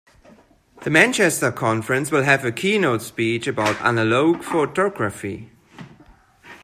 The Manchester conference will have a keynote speech about analogue photography.